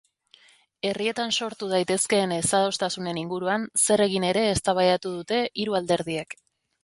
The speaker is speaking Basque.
Herrietan sortu daitezkeen ezadostasunen inguruan zer egin ere eztabaidatu dute hiru alderdiek.